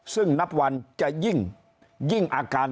ซึ่งนับวันจะยิ่งอาการ